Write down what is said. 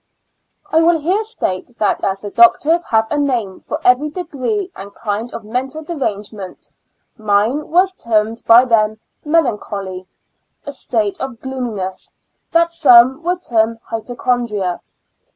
44 Two Years and Four Months I will here state that as the doctors have a name for every degree and kind of mental derangement, mine was termed by them melancholy — a state of gloominesss that some would term hypochondria.